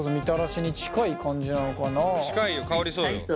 近いよ香りそうよ。